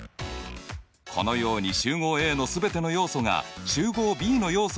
このように集合Ａの全ての要素が集合Ｂの要素になっている時